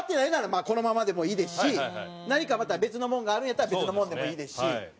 まあこのままでもいいですし何かまた別のものがあるんやったら別のものでもいいですし。